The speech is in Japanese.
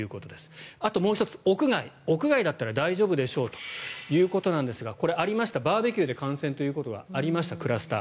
あと、もう１つ屋外屋外だったら大丈夫でしょうということですがこれはありましたバーベキューで感染ということがありましたクラスター。